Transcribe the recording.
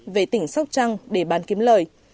về tỉnh sóc trăng để bán kiếm lời